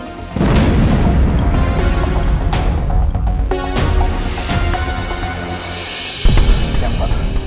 selamat siang pak